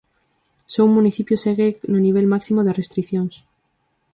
Só un municipio segue no nivel máximo de restricións.